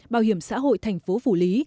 bảo hiểm xã hội thành phố phủ lý